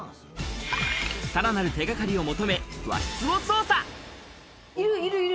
さらなる手掛かりを求め、和室を捜査。